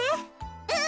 うん！